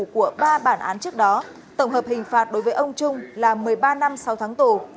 của ba bản án trước đó tổng hợp hình phạt đối với ông trung là một mươi ba năm sau tháng tù